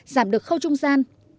giảm được khâu trung gian